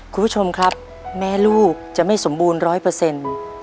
คุณผู้ชมครับแม่ลูกจะไม่สมบูรณ์๑๐๐